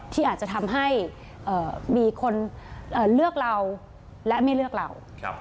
ที่อาจจะทำให้มีคนเลือกเราและไม่เลือกเรา